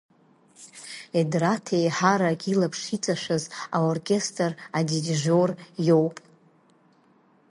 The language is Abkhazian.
Едраҭ еиҳарак илаԥш иҵашәаз аоркестр адирижиор иоуп.